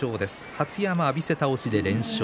羽出山は浴びせ倒しで連勝。